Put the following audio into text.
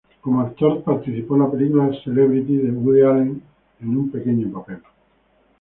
Como actor, participó en la película ""Celebrity"" de Woody Allen es un pequeño papel.